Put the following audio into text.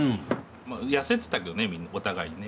痩せてたけどねお互いにね。